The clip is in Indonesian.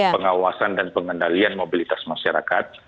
pengawasan dan pengendalian mobilitas masyarakat